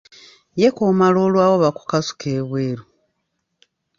"Ye k’omala olwawo, bakukasuka ebweru."